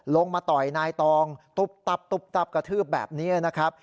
มาต่อยนายตองตุ๊บตับตุ๊บตับกระทืบแบบนี้นะครับ